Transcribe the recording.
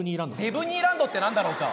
デブニーランドって何だろうか。